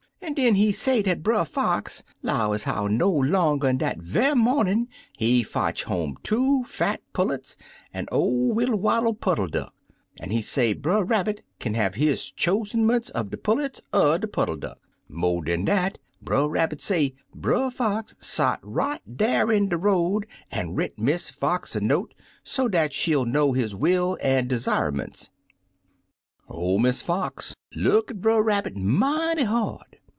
an' den he say dat Brer Fox 'low ez how no longer'n dat ve'y momin' he fotch home two fat pul lets an' ol' Widdle Waddle Puddle Duck, an' he say Brer Rabbit kin have his choosen ment er de pullets er der puddle duck. Mo' dan dat, Brer Rabbit say. Brer Fox sot right flat in de road an' writ Miss Fox a note, so dat she'll know his will an' desire ments. "Or Miss Fox look at Brer Rabbit mighty hard.